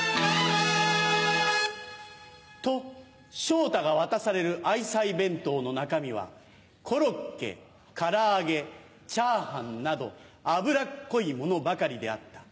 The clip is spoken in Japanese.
と昇太が渡される愛妻弁当の中身はコロッケ唐揚げチャーハンなど脂っこいものばかりであった。